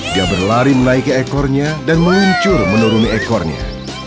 dia berlari menaiki ekornya dan meluncur menuruni ekornya